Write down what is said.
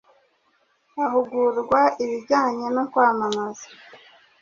ahugurwa ibijyanye no kwamamaza